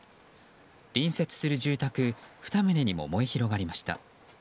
隣接する住宅２棟にも燃え広がりました。